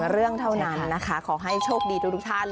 เรื่องเท่านั้นนะคะขอให้โชคดีทุกท่าน